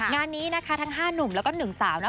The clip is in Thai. งานนี้นะคะทั้ง๕หนุ่มแล้วก็๑สาวนะ